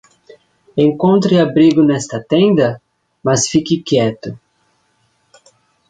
Encontre abrigo nesta tenda?, mas fique quieto.